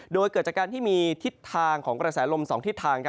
โดยเกิดจากการที่มีทิศทางของกระแสลม๒ทิศทาง